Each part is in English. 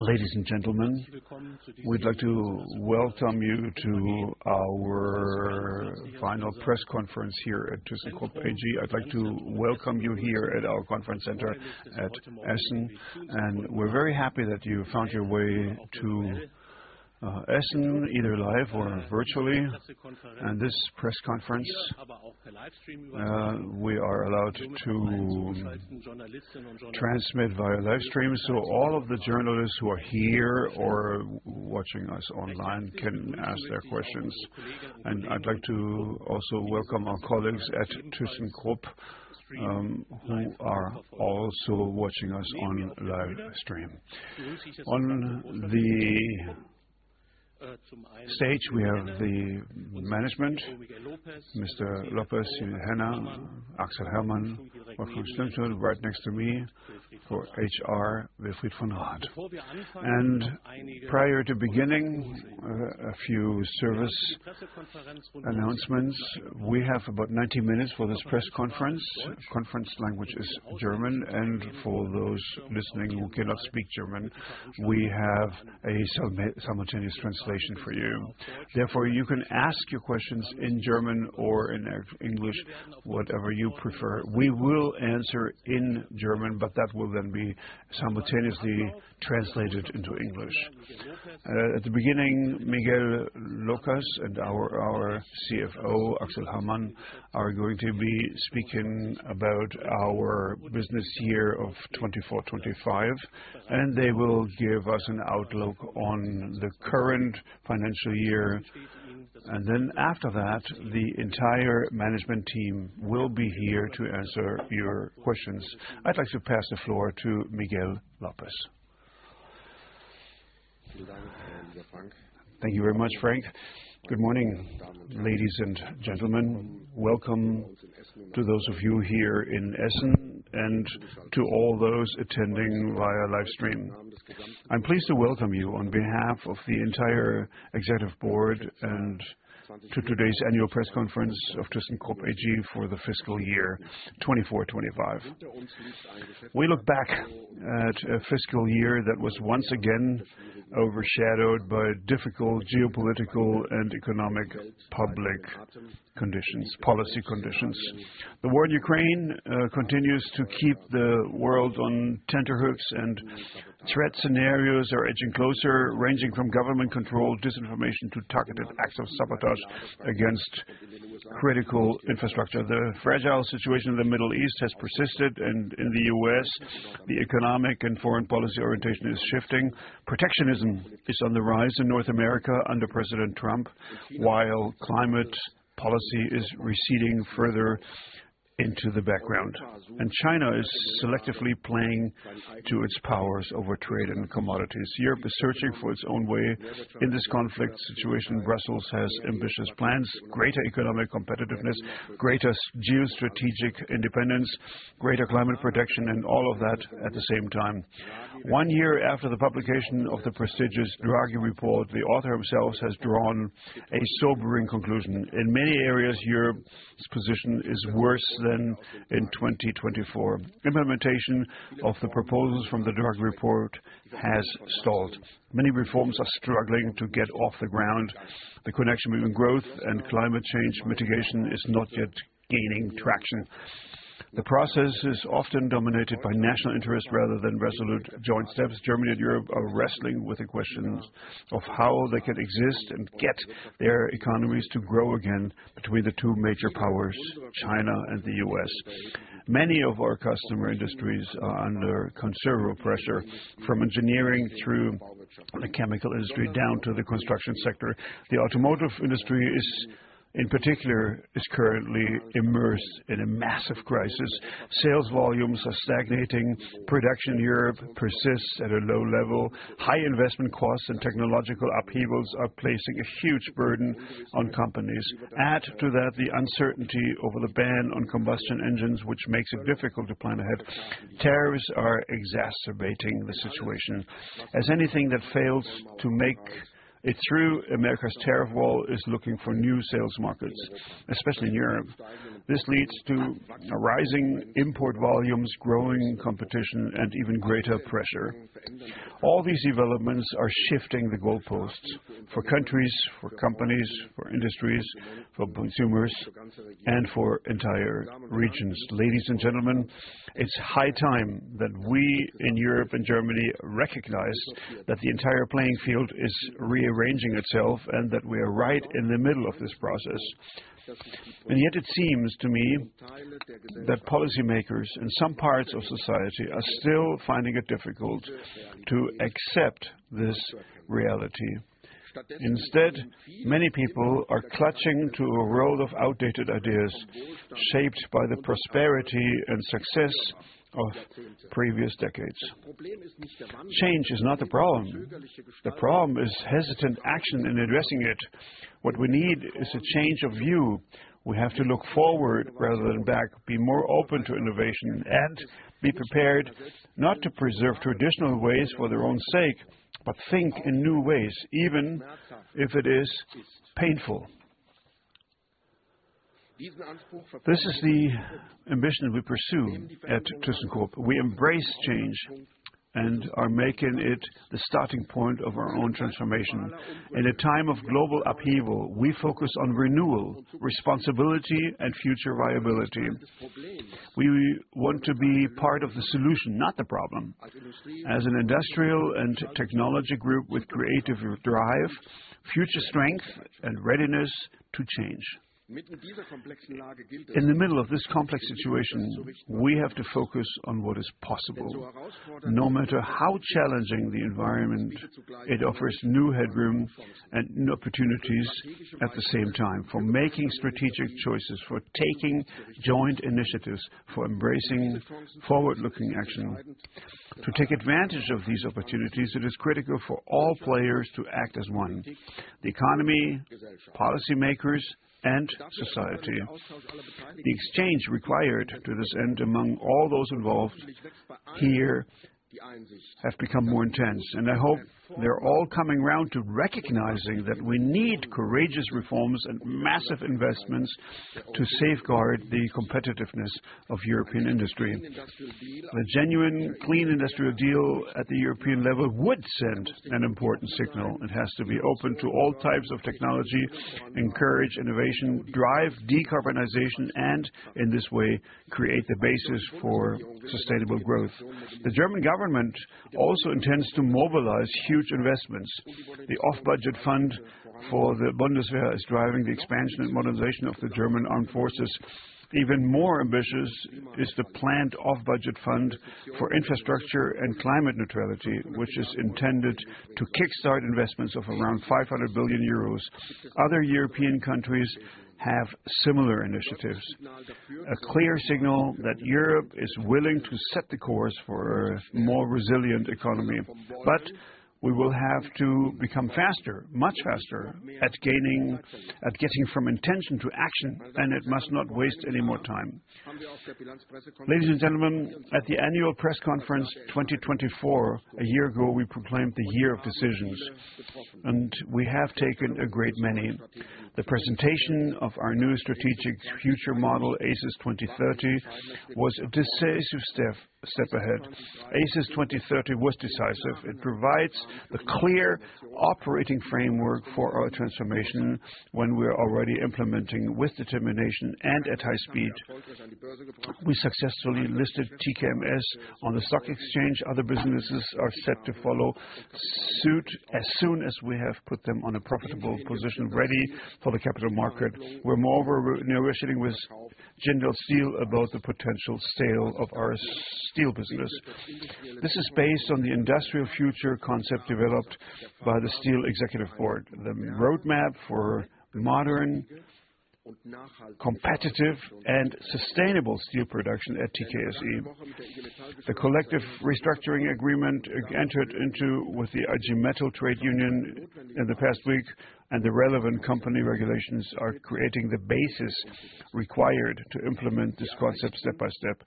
Ladies and gentlemen, we'd like to welcome you to our final press conference here at thyssenkrupp AG. I'd like to welcome you here at our conference center at Essen, and we're very happy that you found your way to Essen, either live or virtually, and this press conference, we are allowed to transmit via livestream, so all of the journalists who are here or watching us online can ask their questions, and I'd like to also welcome our colleagues at thyssenkrupp, who are also watching us on livestream. On the stage, we have the management, Mr. López, Ilse Henne, Axel Hamann, right next to me for HR, Winfried von Hahn, and prior to beginning, a few service announcements. We have about 90 minutes for this press conference. Conference language is German, and for those listening who cannot speak German, we have a simultaneous translation for you. Therefore, you can ask your questions in German or in English, whatever you prefer. We will answer in German, but that will then be simultaneously translated into English. At the beginning, Miguel López and our CFO, Axel Hamann, are going to be speaking about our business year of 2024-25, and they will give us an outlook on the current financial year. And then after that, the entire management team will be here to answer your questions. I'd like to pass the floor to Miguel López. Thank you very much, Frank. Good morning, ladies and gentlemen. Welcome to those of you here in Essen and to all those attending via livestream. I'm pleased to welcome you on behalf of the entire executive board and to today's annual press conference of thyssenkrupp AG for the fiscal year 2024-25. We look back at a fiscal year that was once again overshadowed by difficult geopolitical and economic public conditions, policy conditions. The war in Ukraine continues to keep the world on tenterhooks, and threat scenarios are edging closer, ranging from government control disinformation to targeted acts of sabotage against critical infrastructure. The fragile situation in the Middle East has persisted, and in the U.S., the economic and foreign policy orientation is shifting. Protectionism is on the rise in North America under President Trump, while climate policy is receding further into the background, and China is selectively playing to its powers over trade and commodities. Europe is searching for its own way in this conflict situation. Brussels has ambitious plans: greater economic competitiveness, greater geostrategic independence, greater climate protection, and all of that at the same time. One year after the publication of the prestigious Draghi Report, the author himself has drawn a sobering conclusion. In many areas, Europe's position is worse than in 2024. Implementation of the proposals from the Draghi Report has stalled. Many reforms are struggling to get off the ground. The connection between growth and climate change mitigation is not yet gaining traction. The process is often dominated by national interest rather than resolute joint steps. Germany and Europe are wrestling with the question of how they can exist and get their economies to grow again between the two major powers, China and the U.S. Many of our customer industries are under considerable pressure, from engineering through the chemical industry down to the construction sector. The automotive industry, in particular, is currently immersed in a massive crisis. Sales volumes are stagnating. Production in Europe persists at a low level. High investment costs and technological upheavals are placing a huge burden on companies. Add to that the uncertainty over the ban on combustion engines, which makes it difficult to plan ahead. Tariffs are exacerbating the situation. As anything that fails to make it through America's tariff wall is looking for new sales markets, especially in Europe. This leads to rising import volumes, growing competition, and even greater pressure. All these developments are shifting the goalposts for countries, for companies, for industries, for consumers, and for entire regions. Ladies and gentlemen, it's high time that we in Europe and Germany recognize that the entire playing field is rearranging itself and that we are right in the middle of this process. And yet it seems to me that policymakers in some parts of society are still finding it difficult to accept this reality. Instead, many people are clutching to a world of outdated ideas shaped by the prosperity and success of previous decades. Change is not the problem. The problem is hesitant action in addressing it. What we need is a change of view. We have to look forward rather than back, be more open to innovation, and be prepared not to preserve traditional ways for their own sake, but think in new ways, even if it is painful. This is the ambition we pursue at thyssenkrupp. We embrace change and are making it the starting point of our own transformation. In a time of global upheaval, we focus on renewal, responsibility, and future viability. We want to be part of the solution, not the problem. As an industrial and technology group with creative drive, future strength, and readiness to change. In the middle of this complex situation, we have to focus on what is possible. No matter how challenging the environment, it offers new headroom and new opportunities at the same time for making strategic choices, for taking joint initiatives, for embracing forward-looking action. To take advantage of these opportunities, it is critical for all players to act as one: the economy, policymakers, and society. The exchange required to this end among all those involved here has become more intense, and I hope they're all coming around to recognizing that we need courageous reforms and massive investments to safeguard the competitiveness of European industry. The genuine Clean Industrial Deal at the European level would send an important signal. It has to be open to all types of technology, encourage innovation, drive decarbonization, and in this way, create the basis for sustainable growth. The German government also intends to mobilize huge investments. The off-budget fund for the Bundeswehr is driving the expansion and modernization of the German armed forces. Even more ambitious is the planned off-budget fund for infrastructure and climate neutrality, which is intended to kickstart investments of around 500 billion euros. Other European countries have similar initiatives. A clear signal that Europe is willing to set the course for a more resilient economy. But we will have to become faster, much faster, at getting from intention to action, and it must not waste any more time. Ladies and gentlemen, at the annual press conference 2024, a year ago, we proclaimed the year of decisions, and we have taken a great many. The presentation of our new strategic future model, ACES 2030, was a decisive step ahead. ACES 2030 was decisive. It provides the clear operating framework for our transformation when we are already implementing with determination and at high speed. We successfully listed TKMS on the stock exchange. Other businesses are set to follow suit as soon as we have put them on a profitable position ready for the capital market. We're more recently with Jindal Steel about the potential sale of our steel business. This is based on the Industrial Future Concept developed by the Steel Executive Board, the roadmap for modern, competitive, and sustainable steel production at TKSE. The collective restructuring agreement entered into with the IG Metall Trade Union in the past week, and the relevant company regulations are creating the basis required to implement this concept step by step.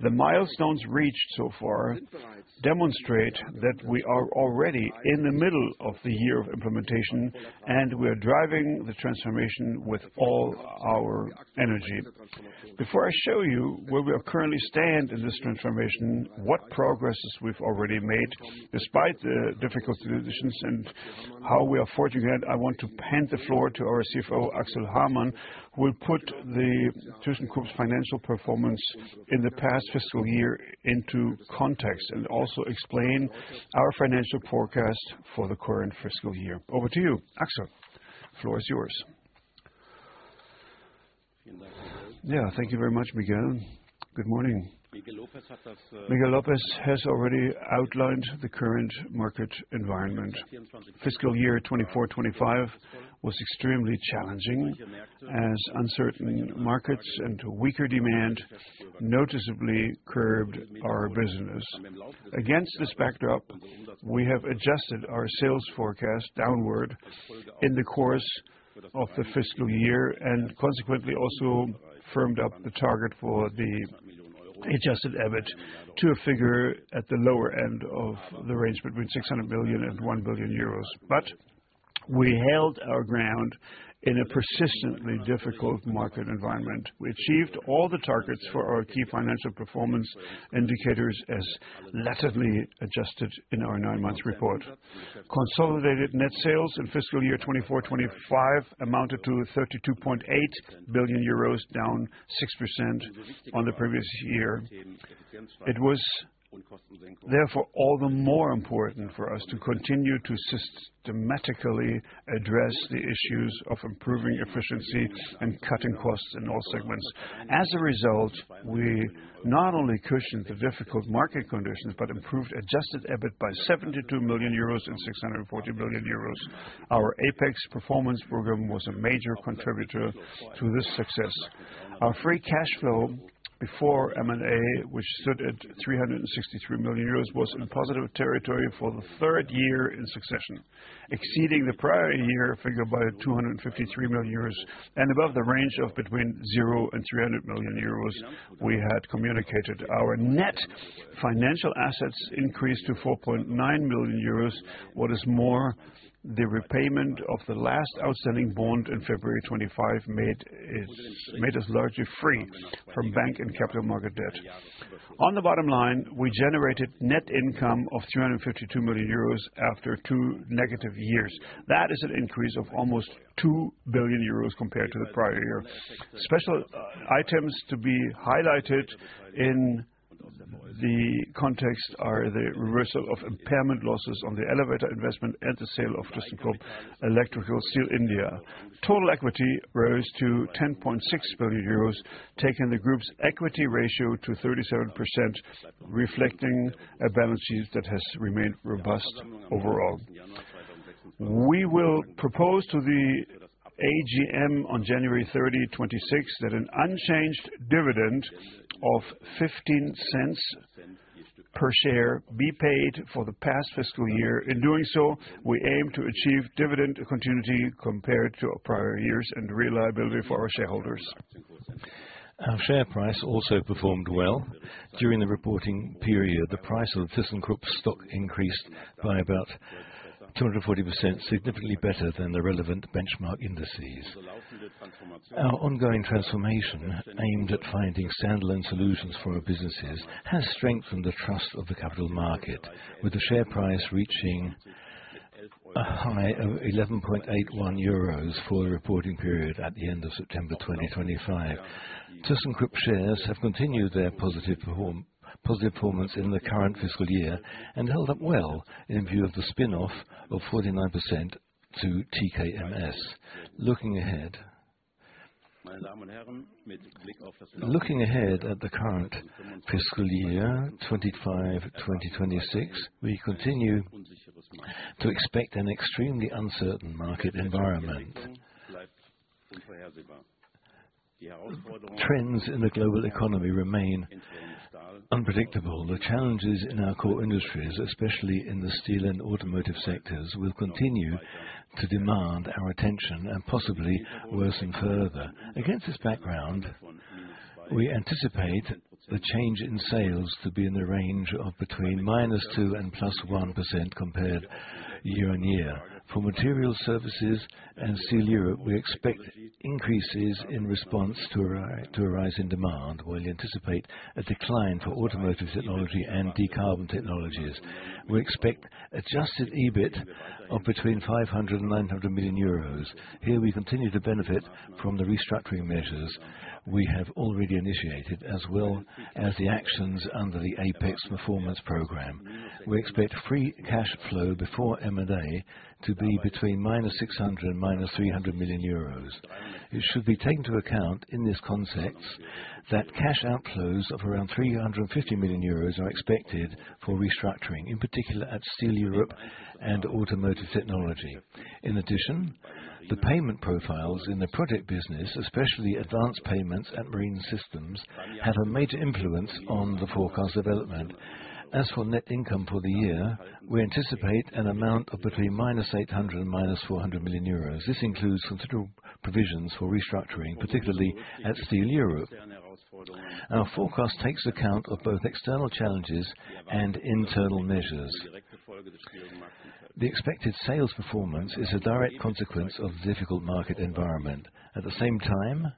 The milestones reached so far demonstrate that we are already in the middle of the year of implementation, and we are driving the transformation with all our energy. Before I show you where we are currently standing in this transformation, what progress we've already made despite the difficult decisions and how we are forging ahead, I want to hand the floor to our CFO, Axel Hamann, who will put thyssenkrupp's financial performance in the past fiscal year into context and also explain our financial forecast for the current fiscal year. Over to you, Axel. The floor is yours. Yeah, thank you very much, Miguel. Good morning. Miguel López has already outlined the current market environment. Fiscal year 2024-25 was extremely challenging as uncertain markets and weaker demand noticeably curbed our business. Against this backdrop, we have adjusted our sales forecast downward in the course of the fiscal year and consequently also firmed up the target for the adjusted EBIT to a figure at the lower end of the range between 600 million and 1 billion euros. But we held our ground in a persistently difficult market environment. We achieved all the targets for our key financial performance indicators as latterly adjusted in our nine-month report. Consolidated net sales in fiscal year 2024-25 amounted to 32.8 billion euros, down 6% on the previous year. It was therefore all the more important for us to continue to systematically address the issues of improving efficiency and cutting costs in all segments. As a result, we not only cushioned the difficult market conditions but improved adjusted EBIT by 72 million euros and 640 million euros. Our APEX performance program was a major contributor to this success. Our free cash flow before M&A, which stood at 363 million euros, was in positive territory for the third year in succession, exceeding the prior year figure by 253 million euros and above the range of between 0 million and 300 million euros we had communicated. Our net financial assets increased to 4.9 billion euros. What is more, the repayment of the last outstanding bond in February 2025 made us largely free from bank and capital market debt. On the bottom line, we generated net income of 352 million euros after two negative years. That is an increase of almost two billion euros compared to the prior year. Special items to be highlighted in the context are the reversal of impairment losses on the elevator investment and the sale of thyssenkrupp Electrical Steel India. Total equity rose to 10.6 billion euros, taking the group's equity ratio to 37%, reflecting a balance sheet that has remained robust overall. We will propose to the AGM on January 30, 2026, that an unchanged dividend of 0.15 per share be paid for the past fiscal year. In doing so, we aim to achieve dividend continuity compared to our prior years and reliability for our shareholders. Our share price also performed well. During the reporting period, the price of thyssenkrupp stock increased by about 240%, significantly better than the relevant benchmark indices. Our ongoing transformation, aimed at finding standalone solutions for our businesses, has strengthened the trust of the capital market, with the share price reaching a high of 11.81 euros for the reporting period at the end of September 2025. thyssenkrupp shares have continued their positive performance in the current fiscal year and held up well in view of the spin-off of 49% to TKMS. Looking ahead at the current fiscal year 2025-2026, we continue to expect an extremely uncertain market environment. Trends in the global economy remain unpredictable. The challenges in our core industries, especially in the steel and automotive sectors, will continue to demand our attention and possibly worsen further. Against this background, we anticipate the change in sales to be in the range of between -2% and +1% compared year on year. For Materials Services and Steel Europe, we expect increases in response to a rise in demand, while we anticipate a decline for Automotive Technology and Decarbon Technologies. We expect adjusted EBIT of between 500-900 million euros. Here, we continue to benefit from the restructuring measures we have already initiated, as well as the actions under the APEX performance program. We expect free cash flow before M&A to be between -600 million and -300 million euros. It should be taken into account in this context that cash outflows of around 350 million euros are expected for restructuring, in particular at Steel Europe and Automotive Technology. In addition, the payment profiles in the project business, especially advanced payments and Marine Systems, have a major influence on the forecast development. As for net income for the year, we anticipate an amount of between -800 million and -400 million euros. This includes considerable provisions for restructuring, particularly at Steel Europe. Our forecast takes account of both external challenges and internal measures. The expected sales performance is a direct consequence of the difficult market environment. At the same time,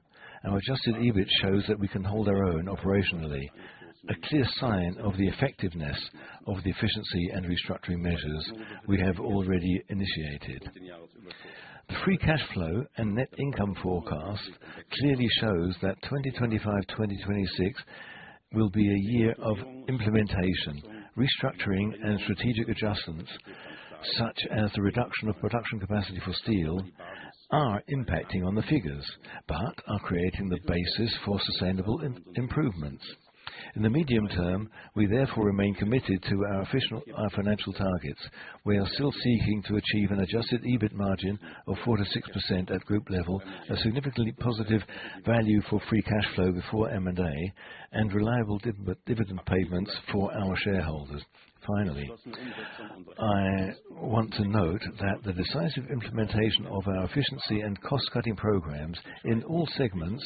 our adjusted EBIT shows that we can hold our own operationally, a clear sign of the effectiveness of the efficiency and restructuring measures we have already initiated. The free cash flow and net income forecast clearly shows that 2025-2026 will be a year of implementation, restructuring, and strategic adjustments, such as the reduction of production capacity for steel, are impacting on the figures but are creating the basis for sustainable improvements. In the medium term, we therefore remain committed to our financial targets. We are still seeking to achieve an adjusted EBIT margin of 4%-6% at group level, a significantly positive value for free cash flow before M&A, and reliable dividend payments for our shareholders. Finally, I want to note that the decisive implementation of our efficiency and cost-cutting programs in all segments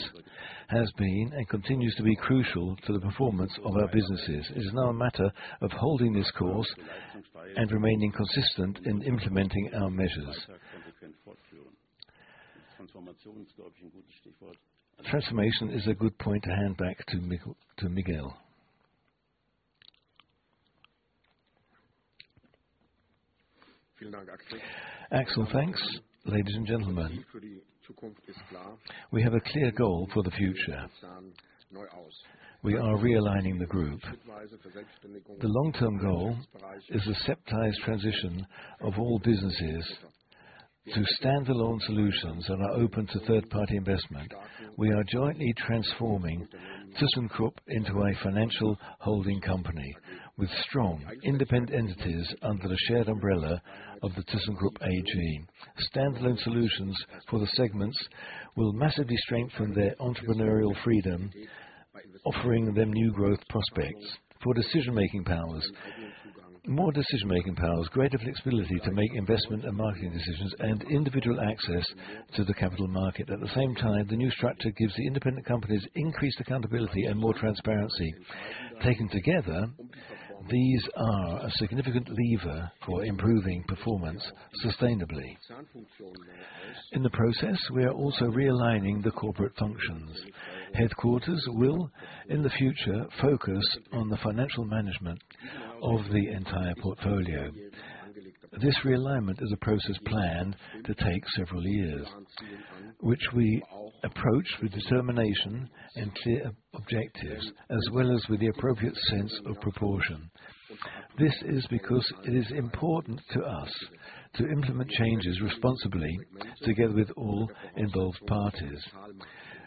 has been and continues to be crucial to the performance of our businesses. It is now a matter of holding this course and remaining consistent in implementing our measures. Transformation is a good point to hand back to Miguel. Axel, thanks. Ladies and gentlemen, we have a clear goal for the future. We are realigning the group. The long-term goal is a stepwise transition of all businesses to standalone solutions that are open to third-party investment. We are jointly transforming thyssenkrupp into a financial holding company with strong independent entities under the shared umbrella of the thyssenkrupp AG. Standalone solutions for the segments will massively strengthen their entrepreneurial freedom, offering them new growth prospects for decision-making powers, more decision-making powers, greater flexibility to make investment and marketing decisions, and individual access to the capital market. At the same time, the new structure gives the independent companies increased accountability and more transparency. Taken together, these are a significant lever for improving performance sustainably. In the process, we are also realigning the corporate functions. Headquarters will, in the future, focus on the financial management of the entire portfolio. This realignment is a process planned to take several years, which we approach with determination and clear objectives, as well as with the appropriate sense of proportion. This is because it is important to us to implement changes responsibly together with all involved parties.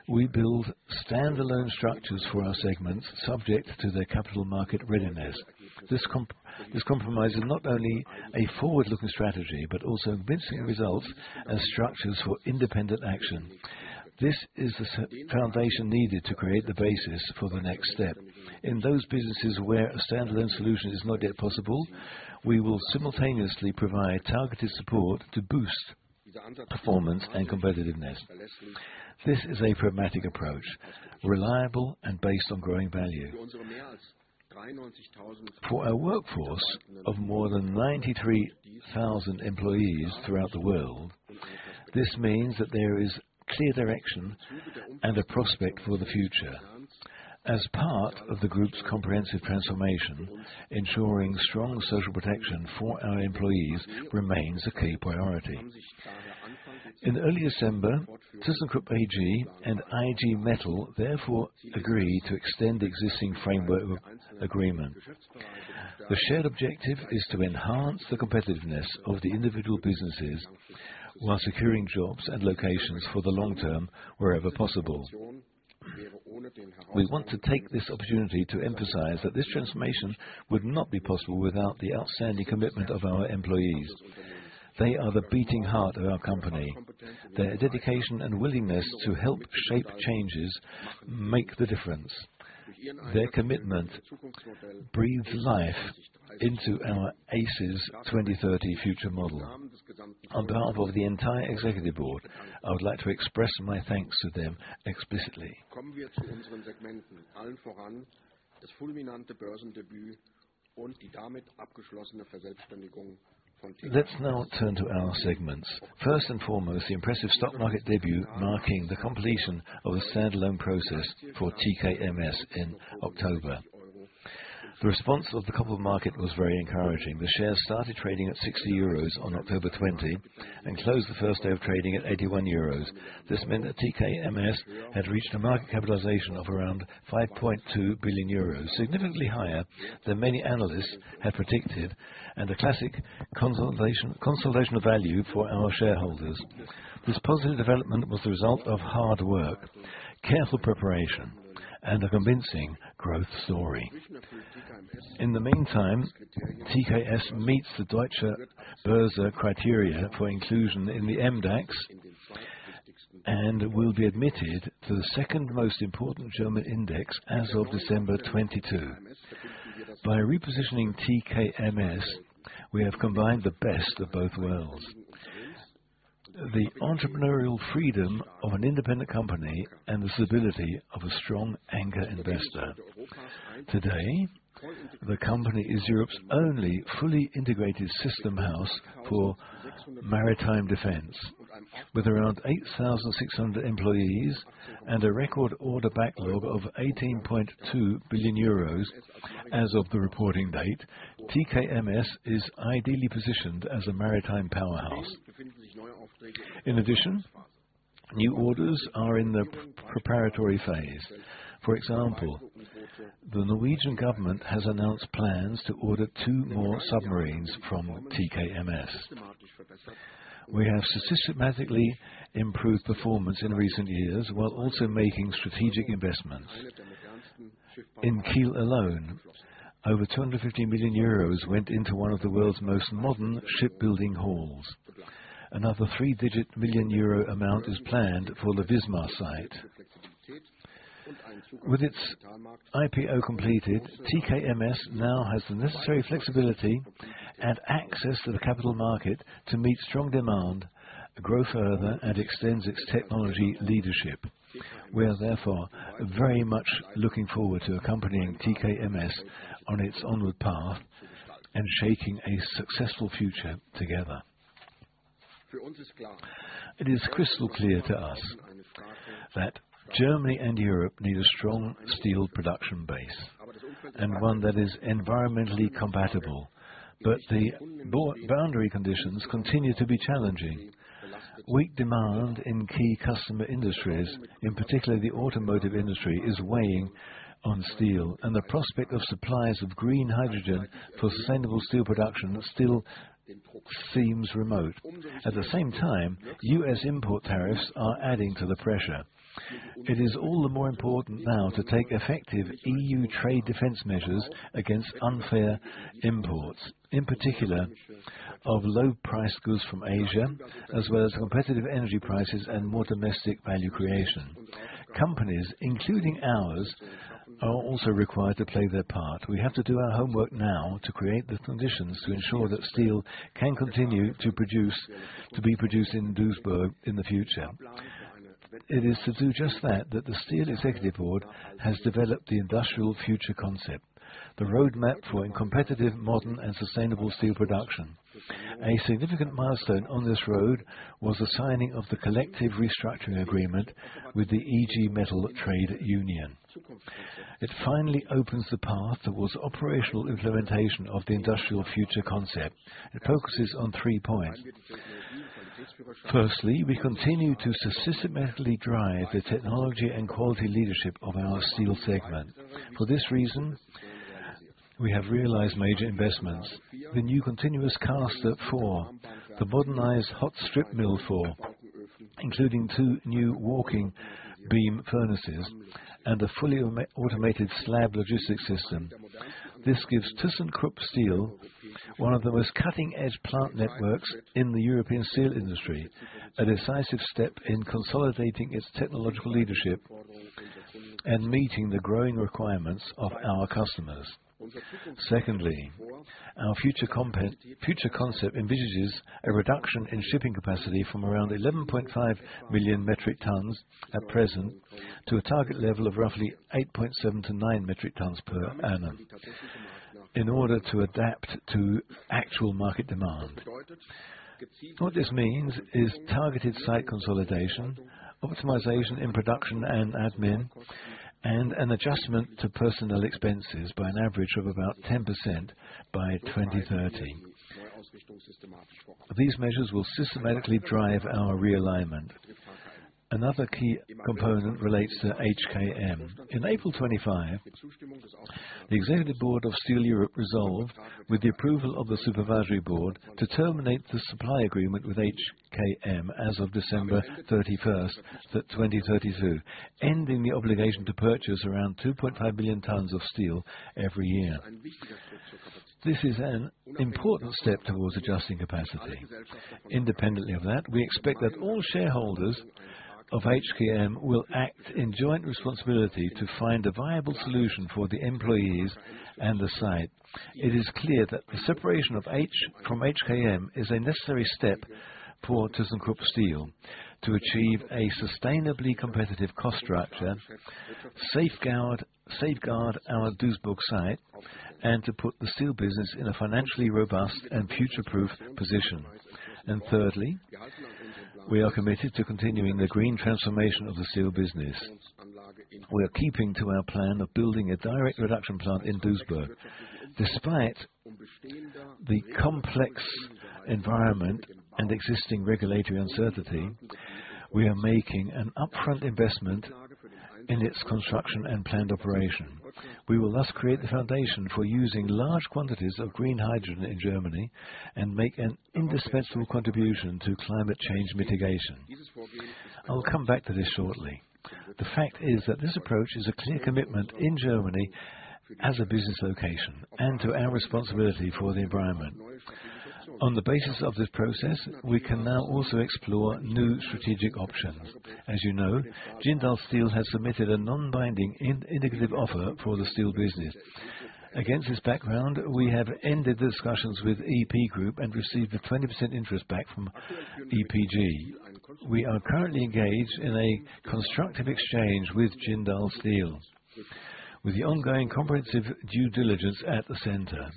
We build standalone structures for our segments subject to their capital market readiness. This compromise is not only a forward-looking strategy but also convincing results as structures for independent action. This is the foundation needed to create the basis for the next step. In those businesses where a standalone solution is not yet possible, we will simultaneously provide targeted support to boost performance and competitiveness. This is a pragmatic approach, reliable and based on growing value. For our workforce of more than 93,000 employees throughout the world, this means that there is clear direction and a prospect for the future. As part of the group's comprehensive transformation, ensuring strong social protection for our employees remains a key priority. In early December, thyssenkrupp AG and IG Metall therefore agreed to extend the existing framework agreement. The shared objective is to enhance the competitiveness of the individual businesses while securing jobs and locations for the long term, wherever possible. We want to take this opportunity to emphasize that this transformation would not be possible without the outstanding commitment of our employees. They are the beating heart of our company. Their dedication and willingness to help shape changes make the difference. Their commitment breathes life into our ACES 2030 future model. On behalf of the entire executive board, I would like to express my thanks to them explicitly. Let's now turn to our segments. First and foremost, the impressive stock market debut marking the completion of the standalone process for TKMS in October. The response of the corporate market was very encouraging. The shares started trading at 60 euros on October 20 and closed the first day of trading at 81 euros. This meant that TKMS had reached a market capitalization of around 5.2 billion euros, significantly higher than many analysts had predicted and the classic consolidation of value for our shareholders. This positive development was the result of hard work, careful preparation, and a convincing growth story. In the meantime, TKMS meets the Deutsche Börse criteria for inclusion in the MDAX and will be admitted to the second most important German index as of December 22. By repositioning TKMS, we have combined the best of both worlds: the entrepreneurial freedom of an independent company and the stability of a strong anchor investor. Today, the company is Europe's only fully integrated system house for maritime defense. With around 8,600 employees and a record order backlog of 18.2 billion euros as of the reporting date, TKMS is ideally positioned as a maritime powerhouse. In addition, new orders are in the preparatory phase. For example, the Norwegian government has announced plans to order two more submarines from TKMS. We have systematically improved performance in recent years while also making strategic investments. In Kiel alone, over 250 million euros went into one of the world's most modern shipbuilding halls. Another three-digit million euro amount is planned for the Wismar site. With its IPO completed, TKMS now has the necessary flexibility and access to the capital market to meet strong demand, grow further, and extend its technology leadership. We are therefore very much looking forward to accompanying TKMS on its onward path and shaping a successful future together. It is crystal clear to us that Germany and Europe need a strong steel production base and one that is environmentally compatible. But the boundary conditions continue to be challenging. Weak demand in key customer industries, in particular the automotive industry, is weighing on steel, and the prospect of supplies of green hydrogen for sustainable steel production still seems remote. At the same time, U.S. import tariffs are adding to the pressure. It is all the more important now to take effective EU trade defense measures against unfair imports, in particular of low-priced goods from Asia, as well as competitive energy prices and more domestic value creation. Companies, including ours, are also required to play their part. We have to do our homework now to create the conditions to ensure that steel can continue to be produced in Duisburg in the future. It is to do just that that the Steel Executive Board has developed the Industrial Future Concept, the roadmap for a competitive, modern, and sustainable steel production. A significant milestone on this road was the signing of the collective restructuring agreement with IG Metall. It finally opens the path towards operational implementation of the Industrial Future Concept. It focuses on three points. Firstly, we continue to systematically drive the technology and quality leadership of our steel segment. For this reason, we have realized major investments: the new continuous caster for the modernized hot strip mill, including two new walking beam furnaces and a fully automated slab logistics system. This gives thyssenkrupp Steel one of the most cutting-edge plant networks in the European steel industry, a decisive step in consolidating its technological leadership and meeting the growing requirements of our customers. Secondly, our future concept envisages a reduction in shipping capacity from around 11.5 million metric tons at present to a target level of roughly 8.7-9 metric tons per annum in order to adapt to actual market demand. What this means is targeted site consolidation, optimization in production and admin, and an adjustment to personnel expenses by an average of about 10% by 2030. These measures will systematically drive our realignment. Another key component relates to HKM. On April 25, the executive board of Steel Europe resolved, with the approval of the supervisory board, to terminate the supply agreement with HKM as of December 31, 2032, ending the obligation to purchase around 2.5 million tons of steel every year. This is an important step towards adjusting capacity. Independently of that, we expect that all shareholders of HKM will act in joint responsibility to find a viable solution for the employees and the site. It is clear that the separation from HKM is a necessary step for thyssenkrupp Steel to achieve a sustainably competitive cost structure, safeguard our Duisburg site, and to put the steel business in a financially robust and future-proof position. And thirdly, we are committed to continuing the green transformation of the steel business. We are keeping to our plan of building a direct reduction plant in Duisburg. Despite the complex environment and existing regulatory uncertainty, we are making an upfront investment in its construction and planned operation. We will thus create the foundation for using large quantities of green hydrogen in Germany and make an indispensable contribution to climate change mitigation. I will come back to this shortly. The fact is that this approach is a clear commitment in Germany as a business location and to our responsibility for the environment. On the basis of this process, we can now also explore new strategic options. As you know, Jindal Steel has submitted a non-binding indicative offer for the steel business. Against this background, we have ended the discussions with EP Group and received the 20% interest back from EPG. We are currently engaged in a constructive exchange with Jindal Steel, with the ongoing comprehensive due diligence at the center.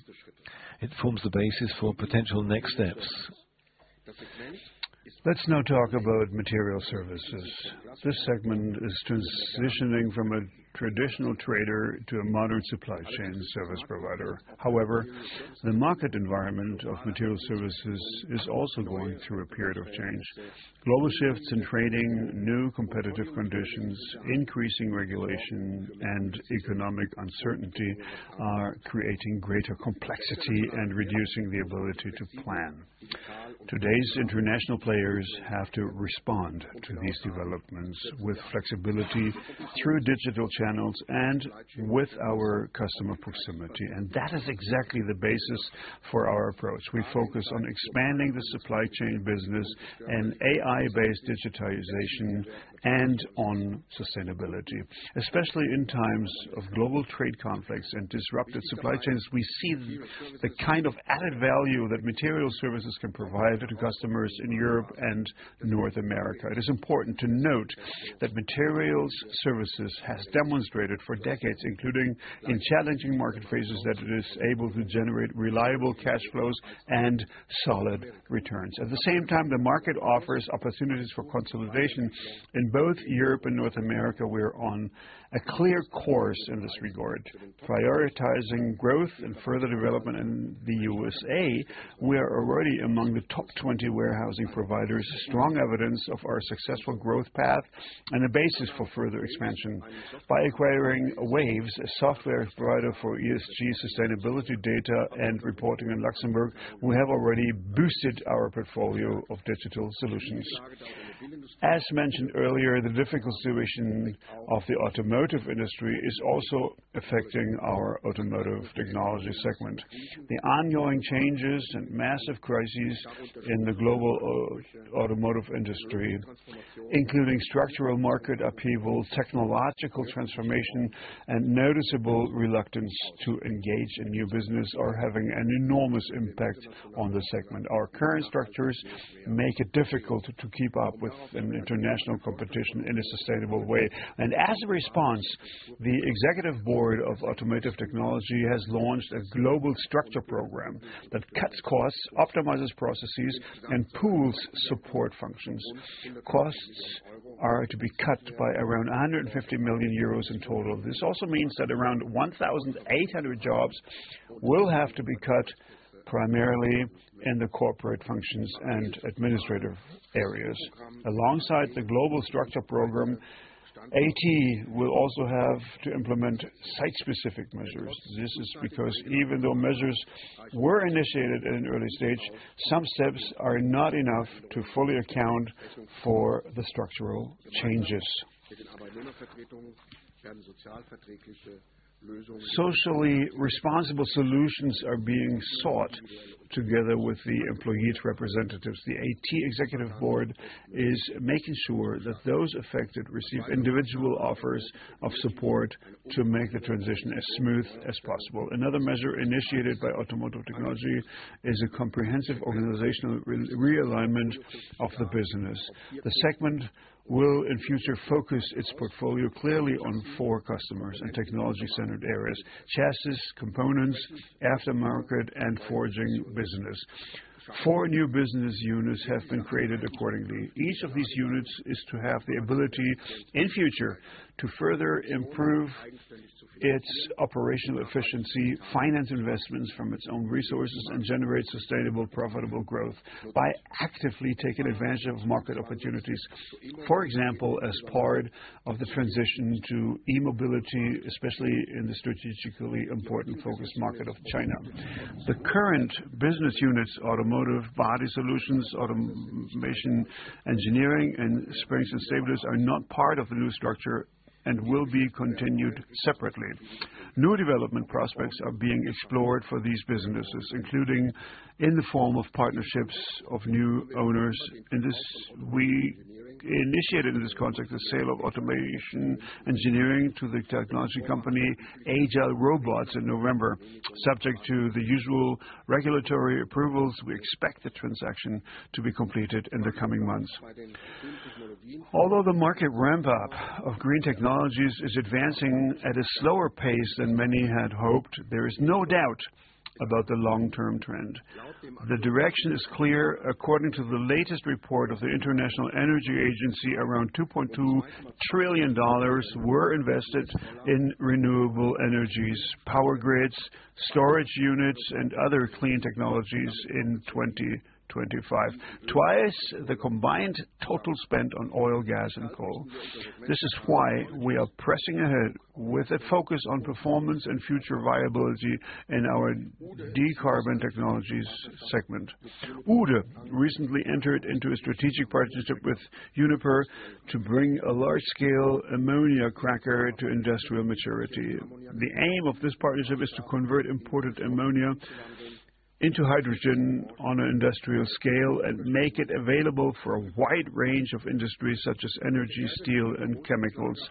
It forms the basis for potential next steps. Let's now talk about Material Services. This segment is transitioning from a traditional trader to a modern supply chain service provider. However, the market environment of Material Services is also going through a period of change. Global shifts in trading, new competitive conditions, increasing regulation, and economic uncertainty are creating greater complexity and reducing the ability to plan. Today's international players have to respond to these developments with flexibility through digital channels and with our customer proximity. And that is exactly the basis for our approach. We focus on expanding the supply chain business and AI-based digitization and on sustainability. Especially in times of global trade conflicts and disrupted supply chains, we see the kind of added value that Material Services can provide to customers in Europe and North America. It is important to note that Materials Services has demonstrated for decades, including in challenging market phases, that it is able to generate reliable cash flows and solid returns. At the same time, the market offers opportunities for consolidation in both Europe and North America. We are on a clear course in this regard, prioritizing growth and further development in the USA. We are already among the top 20 warehousing providers, strong evidence of our successful growth path, and a basis for further expansion. By acquiring WAVES, a software provider for ESG sustainability data and reporting in Luxembourg, we have already boosted our portfolio of digital solutions. As mentioned earlier, the difficult situation of the automotive industry is also affecting our Automotive Technology segment. The ongoing changes and massive crises in the global automotive industry, including structural market upheaval, technological transformation, and noticeable reluctance to engage in new business, are having an enormous impact on the segment. Our current structures make it difficult to keep up with international competition in a sustainable way. And as a response, the executive board of Automotive Technology has launched a global structure program that cuts costs, optimizes processes, and pools support functions. Costs are to be cut by around 150 million euros in total. This also means that around 1,800 jobs will have to be cut primarily in the corporate functions and administrative areas. Alongside the global structure program, AT will also have to implement site-specific measures. This is because even though measures were initiated at an early stage, some steps are not enough to fully account for the structural changes. Socially responsible solutions are being sought together with the employee representatives. The AT executive board is making sure that those affected receive individual offers of support to make the transition as smooth as possible. Another measure initiated by Automotive Technology is a comprehensive organizational realignment of the business. The segment will in future focus its portfolio clearly on four customers and technology-centered areas: chassis, components, aftermarket, and forging business. Four new business units have been created accordingly. Each of these units is to have the ability in future to further improve its operational efficiency, finance investments from its own resources, and generate sustainable, profitable growth by actively taking advantage of market opportunities, for example, as part of the transition to e-mobility, especially in the strategically important focus market of China. The current business units, Automotive Body Solutions, Automation Engineering, and Springs and Stabilizers, are not part of the new structure and will be continued separately. New development prospects are being explored for these businesses, including in the form of partnerships of new owners. We initiated in this context the sale of Automation Engineering to the technology company Agile Robots in November. Subject to the usual regulatory approvals, we expect the transaction to be completed in the coming months. Although the market ramp-up of green technologies is advancing at a slower pace than many had hoped, there is no doubt about the long-term trend. The direction is clear. According to the latest report of the International Energy Agency, around $2.2 trillion were invested in renewable energies, power grids, storage units, and other clean technologies in 2025, twice the combined total spent on oil, gas, and coal. This is why we are pressing ahead with a focus on performance and future viability in our Decarbon Technologies segment. Uhde recently entered into a strategic partnership with Uniper to bring a large-scale ammonia cracker to industrial maturity. The aim of this partnership is to convert imported ammonia into hydrogen on an industrial scale and make it available for a wide range of industries such as energy, steel, and chemicals.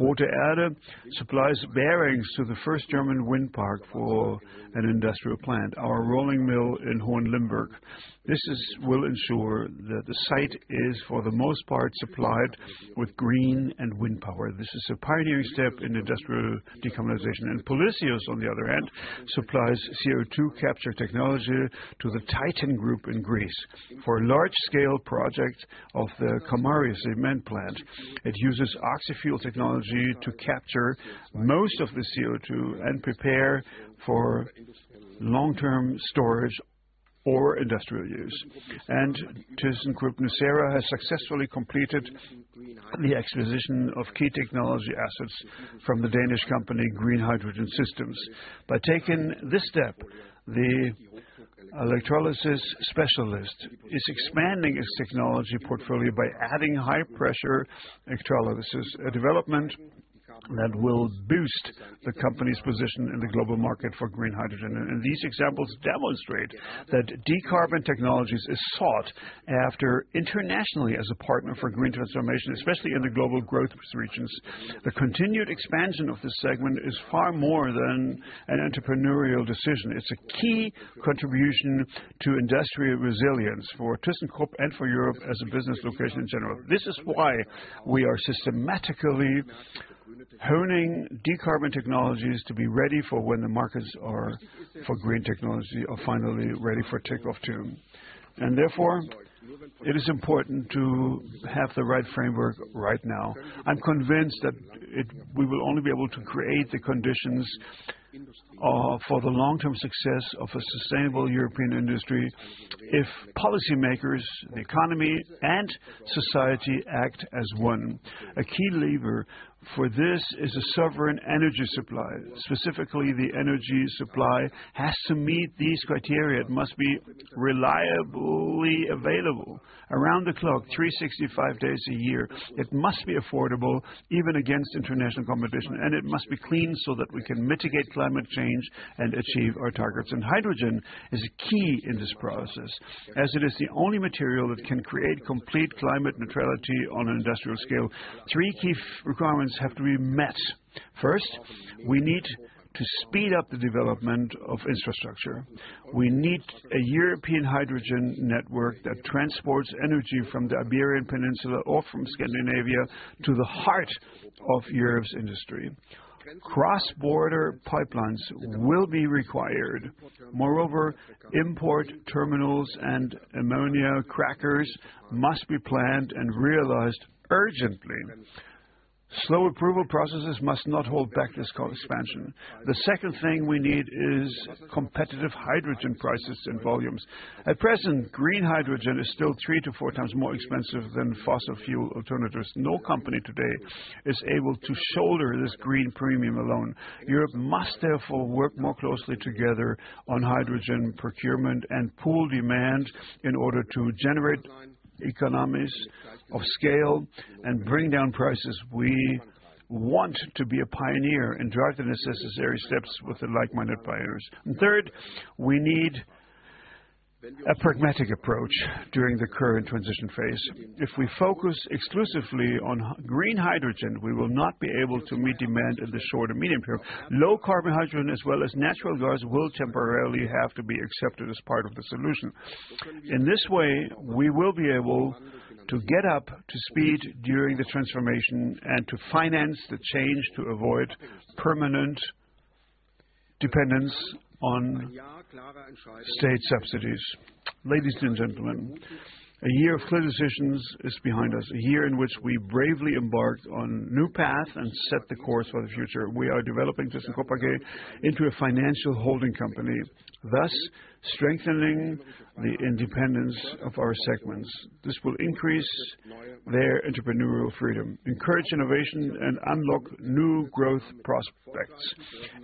Rothe Erde supplies bearings to the first German wind park for an industrial plant, our rolling mill in Hohenlimburg. This will ensure that the site is, for the most part, supplied with green and wind power. This is a pioneering step in industrial decarbonization. Polysius, on the other hand, supplies CO2 capture technology to the Titan Group in Greece for a large-scale project of the Kamari cement plant. It uses oxy-fuel technology to capture most of the CO2 and prepare for long-term storage or industrial use. And thyssenkrupp nucera has successfully completed the acquisition of key technology assets from the Danish company Green Hydrogen Systems. By taking this step, the electrolysis specialist is expanding its technology portfolio by adding high-pressure electrolysis, a development that will boost the company's position in the global market for green hydrogen. And these examples demonstrate that Decarbon Technologies are sought after internationally as a partner for green transformation, especially in the global growth regions. The continued expansion of this segment is far more than an entrepreneurial decision. It's a key contribution to industrial resilience for thyssenkrupp and for Europe as a business location in general. This is why we are systematically honing Decarbon Technologies to be ready for when the markets for green technology are finally ready for takeoff too. Therefore, it is important to have the right framework right now. I'm convinced that we will only be able to create the conditions for the long-term success of a sustainable European industry if policymakers, the economy, and society act as one. A key lever for this is a sovereign energy supply. Specifically, the energy supply has to meet these criteria. It must be reliably available around the clock, 365 days a year. It must be affordable, even against international competition. And it must be clean so that we can mitigate climate change and achieve our targets. And hydrogen is key in this process, as it is the only material that can create complete climate neutrality on an industrial scale. Three key requirements have to be met. First, we need to speed up the development of infrastructure. We need a European hydrogen network that transports energy from the Iberian Peninsula or from Scandinavia to the heart of Europe's industry. Cross-border pipelines will be required. Moreover, import terminals and ammonia crackers must be planned and realized urgently. Slow approval processes must not hold back this expansion. The second thing we need is competitive hydrogen prices and volumes. At present, green hydrogen is still three to four times more expensive than fossil fuel alternatives. No company today is able to shoulder this green premium alone. Europe must, therefore, work more closely together on hydrogen procurement and pool demand in order to generate economies of scale and bring down prices. We want to be a pioneer in driving the necessary steps with the like-minded players, and third, we need a pragmatic approach during the current transition phase. If we focus exclusively on green hydrogen, we will not be able to meet demand in the short and medium term. Low-carbon hydrogen, as well as natural gas, will temporarily have to be accepted as part of the solution. In this way, we will be able to get up to speed during the transformation and to finance the change to avoid permanent dependence on state subsidies. Ladies and gentlemen, a year of clear decisions is behind us, a year in which we bravely embarked on a new path and set the course for the future. We are developing thyssenkrupp AG into a financial holding company, thus strengthening the independence of our segments. This will increase their entrepreneurial freedom, encourage innovation, and unlock new growth prospects.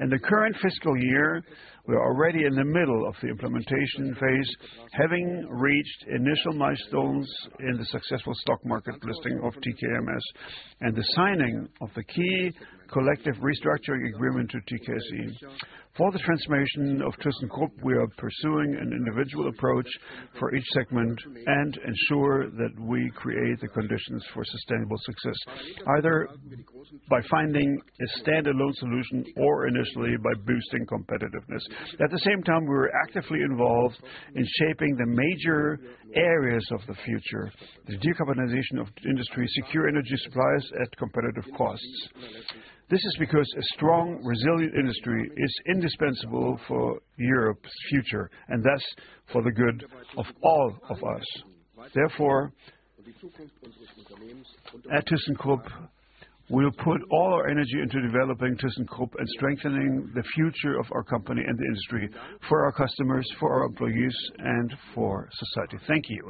In the current fiscal year, we are already in the middle of the implementation phase, having reached initial milestones in the successful stock market listing of TKMS and the signing of the key collective restructuring agreement to TKSE. For the transformation of thyssenkrupp, we are pursuing an individual approach for each segment and ensure that we create the conditions for sustainable success, either by finding a standalone solution or initially by boosting competitiveness. At the same time, we are actively involved in shaping the major areas of the future: the decarbonization of industry, secure energy supplies at competitive costs. This is because a strong, resilient industry is indispensable for Europe's future and thus for the good of all of us. Therefore, at thyssenkrupp, we will put all our energy into developing thyssenkrupp and strengthening the future of our company and the industry for our customers, for our employees, and for society. Thank you.